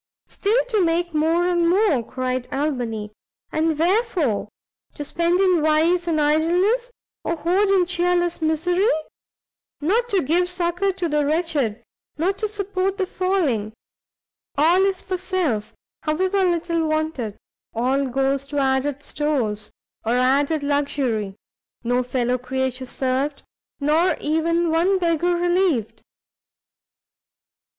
"Still to make more and more," cried Albany, "and wherefore? to spend in vice and idleness, or hoard in chearless misery! not to give succour to the wretched, not to support the falling; all is for self, however little wanted, all goes to added stores, or added luxury; no fellow creature served, nor even one beggar relieved!"